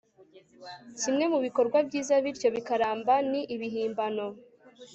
kimwe mubikorwa byiza, bityo bikaramba, ni ibihimbano